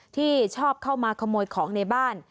ที่ชอบเข้ามาขโมยของในบ้าน